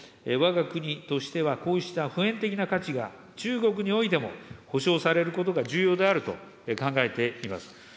わが国としてはこうした普遍的な価値が、中国においても保障されることが重要であると考えています。